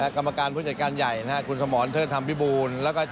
กรรมการผู้จัดการใหญ่คุณสมรเทิดธรรมพิบูล